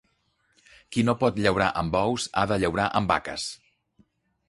Qui no pot llaurar amb bous ha de llaurar amb vaques.